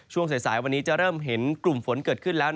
ช่วงสายวันนี้จะเริ่มเห็นกลุ่มฝนเกิดขึ้นแล้ว